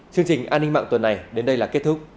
chương trình an ninh mạng tuần này đến đây là kết thúc